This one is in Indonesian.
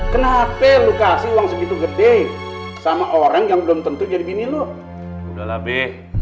kenapa lu kasih uang segitu gede sama orang yang belum tentu jadi bini lu udah lah be